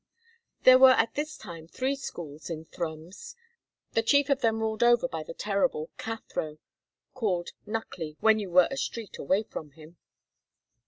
There were at this time three schools in Thrums, the chief of them ruled over by the terrible Cathro (called Knuckly when you were a street away from him).